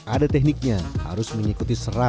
ada tekniknya harus mengikuti untuk serat